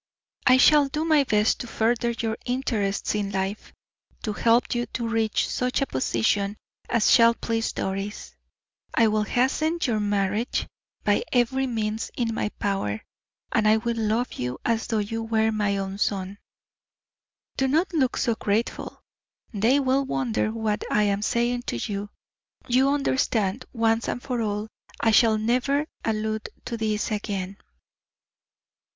"I shall do my best to further your interests in life to help you to reach such a position as shall please Doris. I will hasten your marriage by every means in my power, and I will love you as though you were my own son. Do not look so grateful; they will wonder what I am saying to you. You understand, once and for all, I shall never allude to this again."